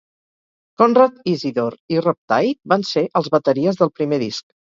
Conrad Isidore i Rob Tait van ser els bateries del primer disc.